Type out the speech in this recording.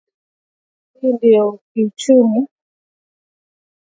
Hii ndio fursa pekee kwa wakenya kubadilisha hii nchi kiuchumi